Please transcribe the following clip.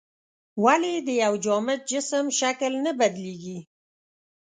ولې د یو جامد جسم شکل نه بدلیږي؟